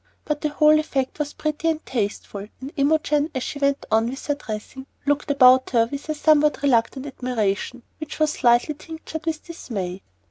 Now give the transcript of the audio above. But the whole effect was pretty and tasteful, and Imogen, as she went on with her dressing, looked about her with a somewhat reluctant admiration, which was slightly tinctured with dismay.